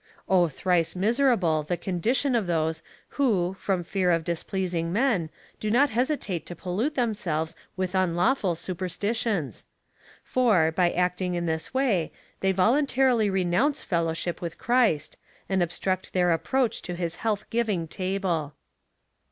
thrice miserable the condition of those ^ who, from fear of displeasing men, do not hesitate to pollute themselves with unlawful superstitions ! For, by acting in this way, they voluntarily renounce fellowship with Christ, and obstruct their approach to his health giving table.